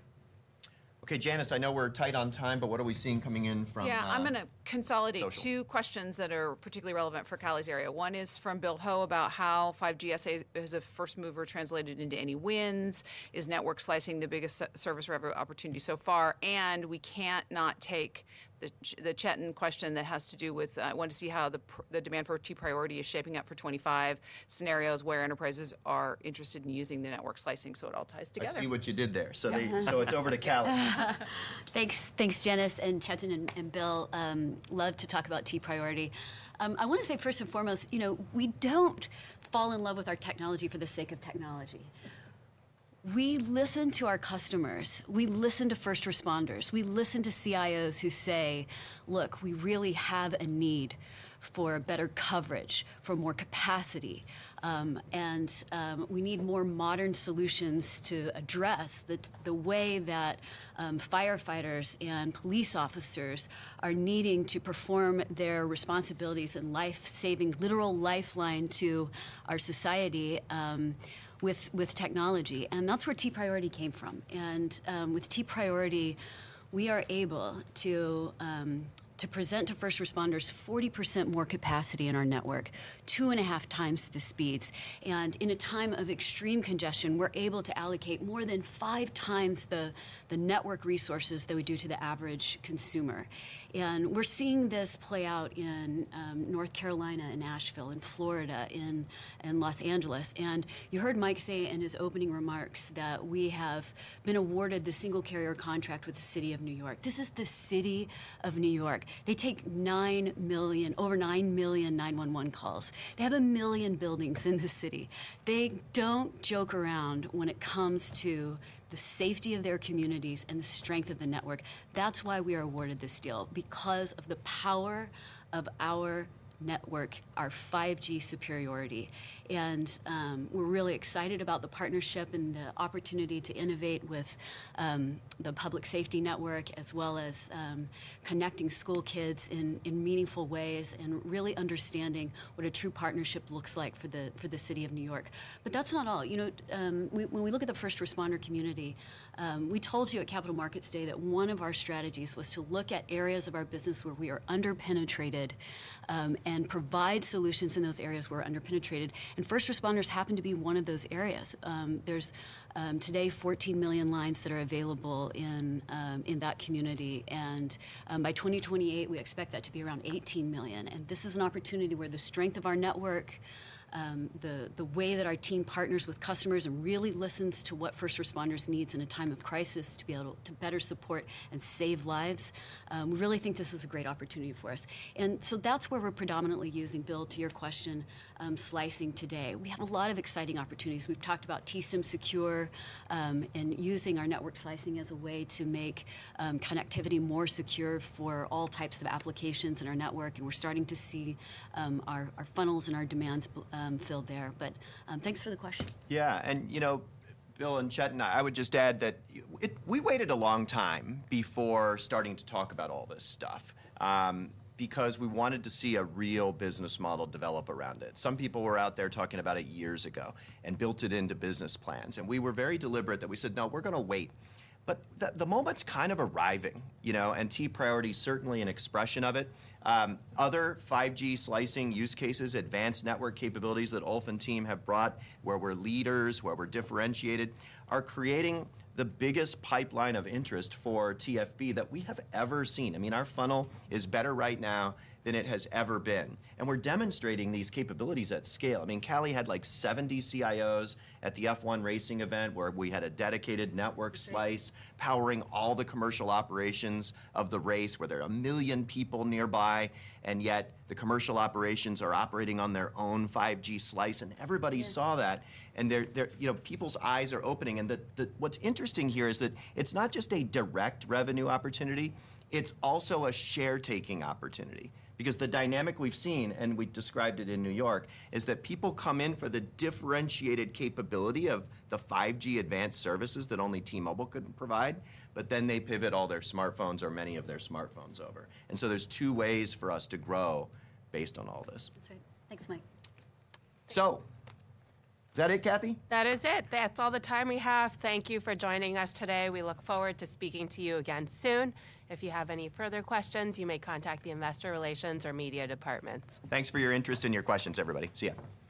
Okay, Janice, I know we're tight on time, but what are we seeing coming in from? Yeah, I'm going to consolidate two questions that are particularly relevant for Callie's area. One is from Bill Ho about how 5GSA is a first mover translated into any wins. Is network slicing the biggest service revenue opportunity so far? And we can't not take the Chetan question that has to do with I want to see how the demand for T-Priority is shaping up for 2025, scenarios where enterprises are interested in using the network slicing. So it all ties together. I see what you did there. So it's over to Callie. Thanks, Janice and Chetan and Bill. Love to talk about T-Priority. I want to say first and foremost, we don't fall in love with our technology for the sake of technology. We listen to our customers. We listen to first responders. We listen to CIOs who say, "Look, we really have a need for better coverage, for more capacity. And we need more modern solutions to address the way that firefighters and police officers are needing to perform their responsibilities and life-saving, literal lifeline to our society with technology." And that's where T-Priority came from. And with T-Priority, we are able to present to first responders 40% more capacity in our network, two and a half times the speeds. And in a time of extreme congestion, we're able to allocate more than five times the network resources that we do to the average consumer. We're seeing this play out in North Carolina, in Nashville, in Florida, in Los Angeles. You heard Mike say in his opening remarks that we have been awarded the single carrier contract with the City of New York. This is the City of New York. They take over 9 million 911 calls. They have a million buildings in the city. They don't joke around when it comes to the safety of their communities and the strength of the network. That's why we are awarded this deal, because of the power of our network, our 5G superiority. We're really excited about the partnership and the opportunity to innovate with the public safety network, as well as connecting school kids in meaningful ways and really understanding what a true partnership looks like for the City of New York. That's not all. When we look at the first responder community, we told you at Capital Markets Day that one of our strategies was to look at areas of our business where we are underpenetrated and provide solutions in those areas where we're underpenetrated. And first responders happen to be one of those areas. There's today 14 million lines that are available in that community. And by 2028, we expect that to be around 18 million. And this is an opportunity where the strength of our network, the way that our team partners with customers and really listens to what first responders need in a time of crisis to be able to better support and save lives, we really think this is a great opportunity for us. And so that's where we're predominantly using, Bill, to your question, slicing today. We have a lot of exciting opportunities. We've talked about T-SIMsecure and using our network slicing as a way to make connectivity more secure for all types of applications in our network, and we're starting to see our funnels and our demands filled there, but thanks for the question. Yeah. And Bill and Cheton, I would just add that we waited a long time before starting to talk about all this stuff because we wanted to see a real business model develop around it. Some people were out there talking about it years ago and built it into business plans. And we were very deliberate that we said, "No, we're going to wait." But the moment's kind of arriving. And T-Priority is certainly an expression of it. Other 5G slicing use cases, advanced network capabilities that Ulf and team have brought, where we're leaders, where we're differentiated, are creating the biggest pipeline of interest for T-Fiber that we have ever seen. I mean, our funnel is better right now than it has ever been. And we're demonstrating these capabilities at scale. I mean, Callie had like 70 CIOs at the F1 racing event where we had a dedicated network slice powering all the commercial operations of the race where there are a million people nearby, and yet the commercial operations are operating on their own 5G slice, and everybody saw that, and people's eyes are opening, and what's interesting here is that it's not just a direct revenue opportunity, it's also a share-taking opportunity because the dynamic we've seen, and we described it in New York, is that people come in for the differentiated capability of the 5G advanced services that only T-Mobile could provide, but then they pivot all their smartphones or many of their smartphones over, and so there's two ways for us to grow based on all this. That's right. Thanks, Mike. So is that it, Kathy? That is it. That's all the time we have. Thank you for joining us today. We look forward to speaking to you again soon. If you have any further questions, you may contact the investor relations or media departments. Thanks for your interest and your questions, everybody. See you.